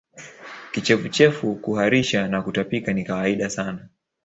Kichefuchefu kuharisha na kutapika ni kawaida sana